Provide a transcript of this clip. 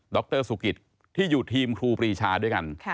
รสุกิตที่อยู่ทีมครูปรีชาด้วยกัน